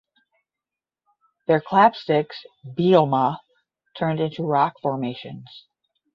Their clap sticks ("bilma") turned into rock formations.